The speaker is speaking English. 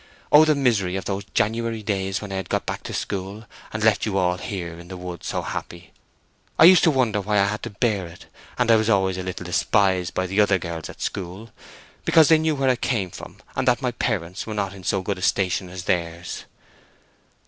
Oh, the misery of those January days when I had got back to school, and left you all here in the wood so happy. I used to wonder why I had to bear it. And I was always a little despised by the other girls at school, because they knew where I came from, and that my parents were not in so good a station as theirs."